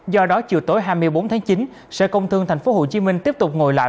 do đó chiều tối hai mươi bốn tháng chín sở công thương tp hcm tiếp tục ngồi lại